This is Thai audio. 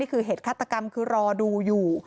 คือเหตุฆาตกรรมคือรอดูอยู่